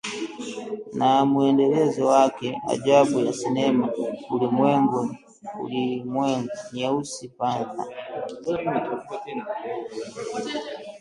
na muendelezo wake ajabu ya sinema Ulimwengu Nyeusi Panther